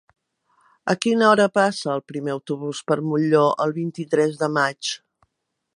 A quina hora passa el primer autobús per Molló el vint-i-tres de maig?